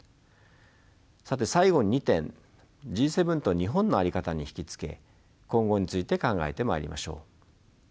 さて最後に２点Ｇ７と日本の在り方に引き付け今後について考えてまいりましょう。